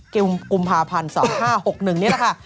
กุมภาพันธ์๒๕๖๑นี่แหละค่ะ